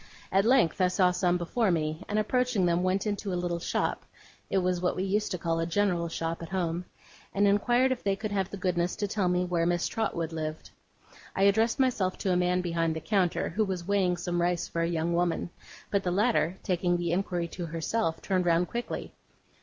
At length I saw some before me; and approaching them, went into a little shop (it was what we used to call a general shop, at home), and inquired if they could have the goodness to tell me where Miss Trotwood lived. I addressed myself to a man behind the counter, who was weighing some rice for a young woman; but the latter, taking the inquiry to herself, turned round quickly.